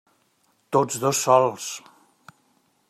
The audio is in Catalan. Tots dos sols.